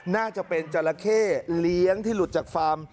น่าจะเป็นจราเข้เลี้ยงที่หลุดจากฟาร์ม